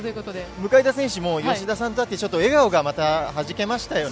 向田選手も吉田さんと会って、笑顔がまたはじけましたよね。